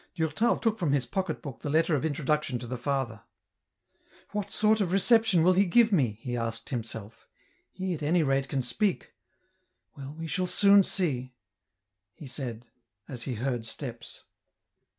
Durtal took from his pocket book the letter of introduction to the father. " What sort of reception will he give me ?" he asked himself ; "he at any rate can speak ; well, we shall soon see," he said, as he heard steps.